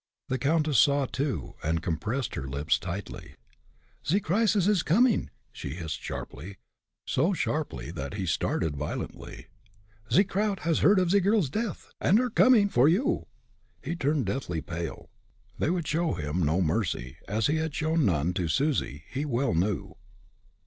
The countess saw, too, and compressed her lips tightly. "Ze crisis is coming!" she hissed, sharply so sharply that he started violently. "Ze crowd has heard of ze girl's death, and are coming for you." He turned deathly pale; they would show him no mercy, as he had shown none to Susie, he well knew.